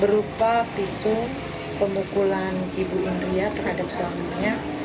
berupa pisu pemukulan ibu indria terhadap suaminya